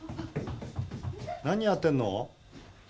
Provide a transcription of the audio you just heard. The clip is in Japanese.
何やってんの？